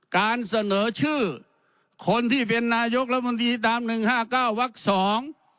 การเสนอชื่อคนที่เป็นนายกรัฐมนตรีตามหนึ่งห้าเก้าวักสอง